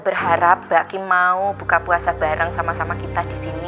berharap mbak kim mau buka puasa bareng sama sama kita disini